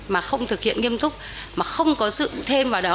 mà không thực hiện nghiêm túc mà không có sự thêm vào đó